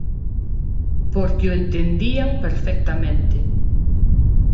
Porque o entendían perfectamente.